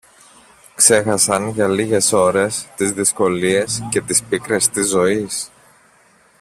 ξέχασαν για λίγες ώρες τις δυσκολίες και τις πίκρες της ζωής.